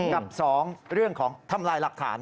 กับ๒เรื่องของทำลายหลักฐาน